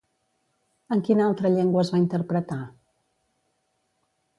En quina altra llengua es va interpretar?